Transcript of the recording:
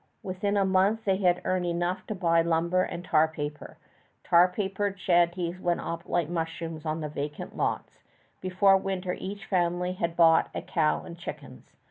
Within a month they had earned enough to buy lumber and tar paper. Tar papered shanties went up like mushrooms on the vacant lots. Before winter each family had bought a cow and chickens.